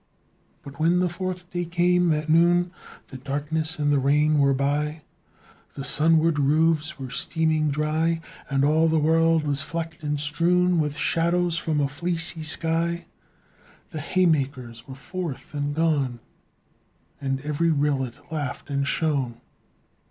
But when the fourth day came at noon, The darkness and the rain were by; The sunward roofs were steaming dry; And all the world was flecked and strewn With shadows from a fleecy sky. The haymakers were forth and gone, And every rillet laughed and shone.